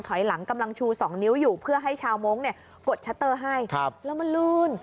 ถอยหลังกำลังชู๒นิ้วอยู่เพื่อให้ชาวมงค์เนี่ยกดชัตเตอร์ให้แล้วมันลื่น